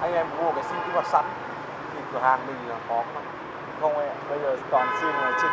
anh em mua cái sim kỹ hoạt sẵn thì cửa hàng mình là có không ạ